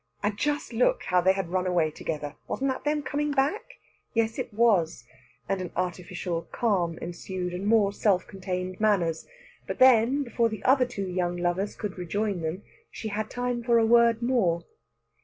And just look how they had run away together! Wasn't that them coming back? Yes, it was; and artificial calm ensued, and more self contained manners. But then, before the other two young lovers could rejoin them, she had time for a word more.